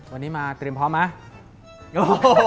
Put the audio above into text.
วันนี้มาเตรียมพร้อมไหม